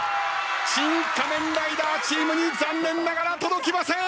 シン・仮面ライダーチームに残念ながら届きません！